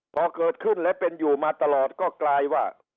พอเกิดขึ้นและเป็นอยู่มาตลอดก็กลายว่า